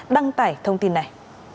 đăng tải thông tin này